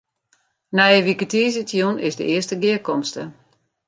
Nije wike tiisdeitejûn is de earste gearkomste.